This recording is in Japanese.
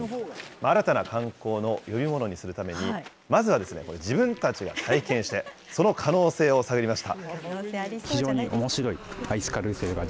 新たな観光の呼び物にするために、まずは自分たちが体験して、その可能性を探りました。